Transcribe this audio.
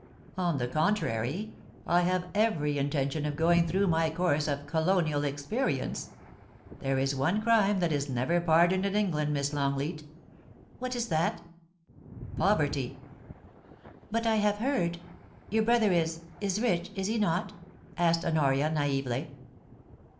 On the contrary, I have every intention of going through my course of colonial experUnce, There is one crime that is never pardoned in England, Miss Longleat' * What is that ?* Poverty.' *But I have heard ... your brother is — is rich, is he not ?* asked Honoria, naively.